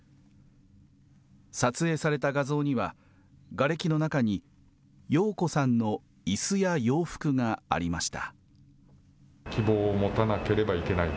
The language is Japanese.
撮影された画像には、がれきの中に陽子さんのいすや洋服がありました。